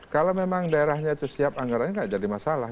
kalau memang daerahnya itu siap anggarannya nggak jadi masalah